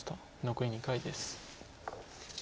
残り２回です。